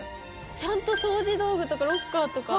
ちゃんと掃除道具とかロッカーとか。